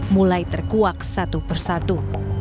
mulai terkuak satu persatu